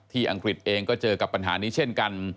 อังกฤษเองก็เจอกับปัญหานี้เช่นกัน